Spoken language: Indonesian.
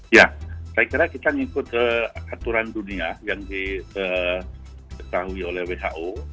ya saya kira kita ngikut aturan dunia yang diketahui oleh who